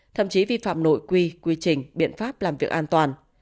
thậm chí vi phạm nội quy quy trình biện pháp làm việc an toàn